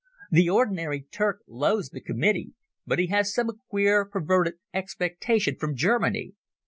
The ordinary Turk loathes the Committee, but he has some queer perverted expectation from Germany.